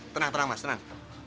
tenang tenang mas tenang